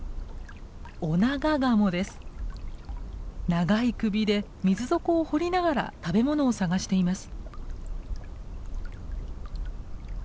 長い首で水底を堀りながら食べ物を探しています。